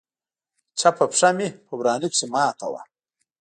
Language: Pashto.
چپه پښه مې په ورانه کښې ماته وه.